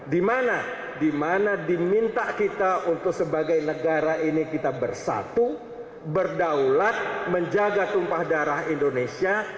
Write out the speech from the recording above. di mana di mana diminta kita untuk sebagai negara ini kita bersatu berdaulat menjaga tumpah darah indonesia